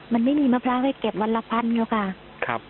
มันไม่มีมะพร้าวให้เก็บวันละพันอยู่ค่ะ